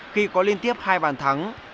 khi có liên tiếp hai bàn thắng